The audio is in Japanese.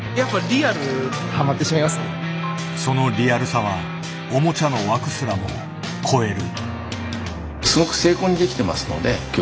そのリアルさはおもちゃの枠すらも超える。